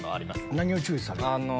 何を注意されるの？